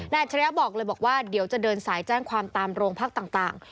อัจฉริยะบอกเลยบอกว่าเดี๋ยวจะเดินสายแจ้งความตามโรงพักต่าง